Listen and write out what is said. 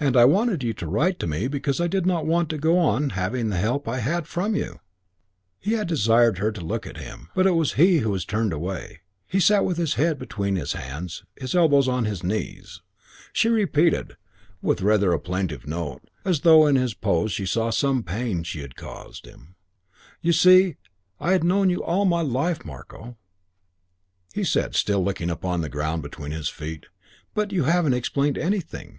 And I wanted you to write to me because I did want to go on having the help I had from you " He had desired her to look at him, but it was he who had turned away. He sat with his head between his hands, his elbows on his knees. She repeated, with rather a plaintive note, as though in his pose she saw some pain she had caused him, "You see, I had known you all my life, Marko " He said, still looking upon the ground between his feet, "But you haven't explained anything.